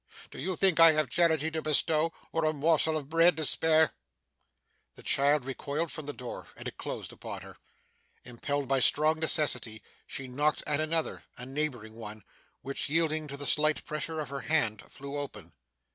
Do you think I have charity to bestow, or a morsel of bread to spare?' The child recoiled from the door, and it closed upon her. Impelled by strong necessity, she knocked at another: a neighbouring one, which, yielding to the slight pressure of her hand, flew open.